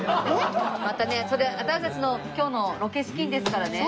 またねそれ私たちの今日のロケ資金ですからね。